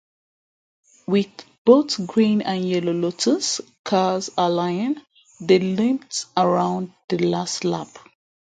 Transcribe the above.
With both green and yellow Lotus cars ailing, they limped around the last lap.